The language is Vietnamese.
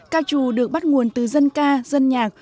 ca trù được bắt nguồn từ dân ca dân nhạc